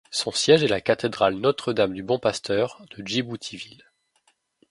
Son siège est la cathédrale Notre-Dame du Bon-Pasteur de Djibouti-Ville.